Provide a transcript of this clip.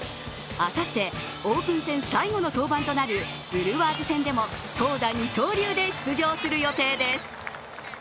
あさって、オープン戦最後の登板となるブルワーズ戦でも投打二刀流で出場する予定です。